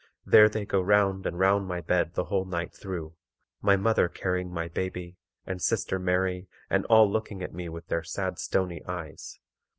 There they go round and round my bed the whole night through. My mother carrying my baby, and sister Mary, and all looking at me with their sad stony eyes.